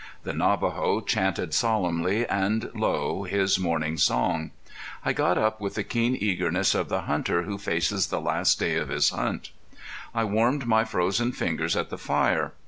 The Navajo chanted solemnly and low his morning song. I got up with the keen eagerness of the hunter who faces the last day of his hunt. I warmed my frozen fingers at the fire.